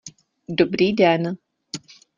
Dobrý den.